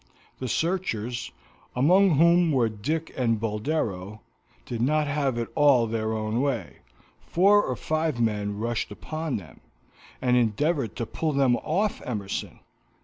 The searchers, among whom were Dick and Boldero, did not have it all their own way; four or five men rushed upon them, and endeavored to pull them off Emerson.